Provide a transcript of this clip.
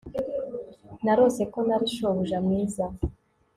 narose ko nari shobuja mwiza